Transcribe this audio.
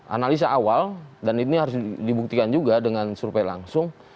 analisa awal dan ini harus dibuktikan juga dengan survei langsung